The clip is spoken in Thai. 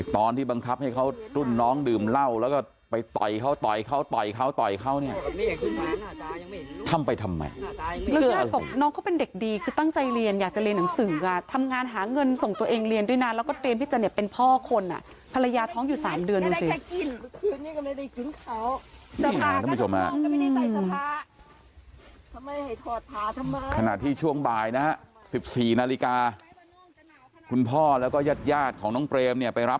ตอนที่บังคับให้เขารุ่นน้องดื่มเล่าแล้วก็ไปต่อยเขา